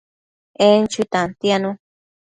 En chui tantianu